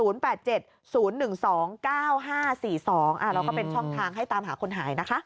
เราก็เป็นช่องทางให้ตามหาคนหายนะคะ